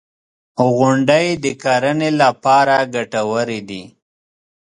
• غونډۍ د کرنې لپاره ګټورې دي.